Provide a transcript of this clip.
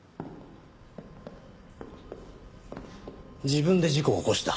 自分で事故を起こした？